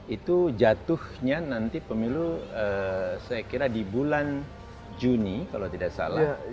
itu jatuhnya nanti pemilu saya kira di bulan juni kalau tidak salah